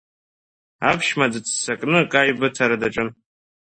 Аԥшәма дыццакны акы аибыҭара даҿын.